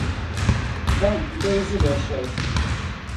daŋ bɛɛ zuliya shɛli.